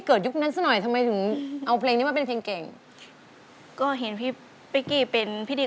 กระแซะเข้ามาสิ